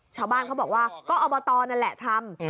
ชาวบ้านเขาบอกว่าก็อบตนั่นแหละทำ